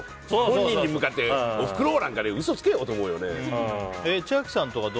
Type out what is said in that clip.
本人に向かっておふくろ！なんて嘘つけよって思うよね。